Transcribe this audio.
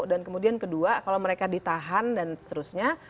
dan kemudian kedua kalau mereka ditahan dan seterusnya